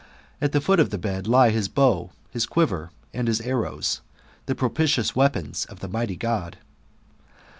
At the foot of the bed lay his bow, his quiver, and his arrows, the propitious weapons of the mighty God.